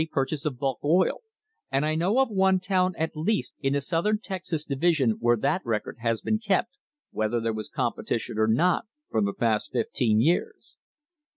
purchase of bulk oil ; and I know of one town at least in the Southern Texas Division where that record has been kept, whether there was competition or not, for the past fifteen years."